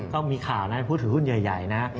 ก็มีข่าวนะอย่างพูดถึงหุ้นใหญ่นะ